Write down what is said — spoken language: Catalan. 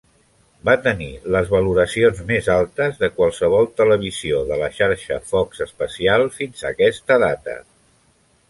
Va tenir les valoracions més altes de qualsevol televisió de la xarxa Fox especial fins a aquesta data.